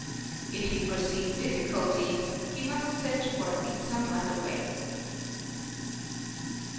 If he foresees difficulties, he must set to work in some other way.